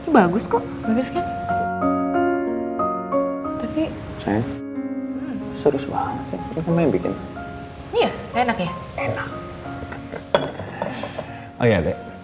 bagus kok bagus kan tapi saya serius banget bikin enak enak